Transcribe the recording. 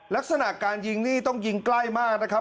ลักษณะการยิงนี่ต้องยิงใกล้มากนะครับ